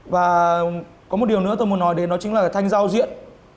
và có một điều nữa tôi muốn nói đến đó chính là thanh giao diện